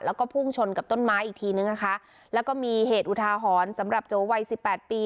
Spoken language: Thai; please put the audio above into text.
แล้วก็พุ่งชนกับต้นไม้อีกทีนึงนะคะแล้วก็มีเหตุอุทาหรณ์สำหรับโจวัยสิบแปดปี